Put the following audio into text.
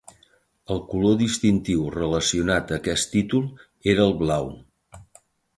El color distintiu relacionat a aquest títol era el blau.